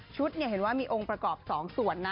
ชุดเนี่ยเห็นว่ามีองค์ประกอบสองส่วนนะ